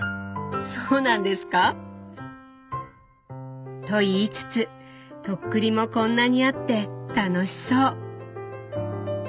そうなんですか？と言いつつ徳利もこんなにあって楽しそう。